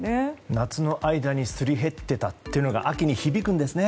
夏の間にすり減っていたというのが秋に響くんですね。